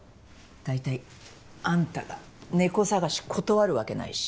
大体あんたが猫捜し断るわけないし。